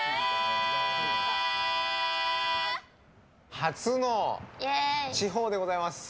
初の地方でございます。